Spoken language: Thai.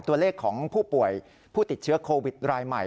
ตัวเลขของผู้ป่วยผู้ติดเชื้อโควิดรายใหม่